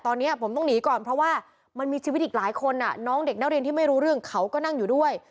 ตอนนี้ผมต้องหนีก่อนเพราะว่ามันมีชีวิตอีกหลายคนน้องเด็กนักเรียนที่ไม่รู้เรื่องเขาก็นั่งอยู่ด้วย